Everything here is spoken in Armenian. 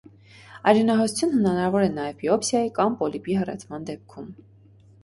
Արյունահոսություն հնարավոր է նաև բիոպսիայի կամ պոլիպի հեռացման դեպքում։